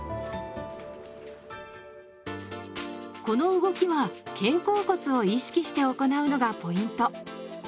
この動きは肩甲骨を意識して行うのがポイント。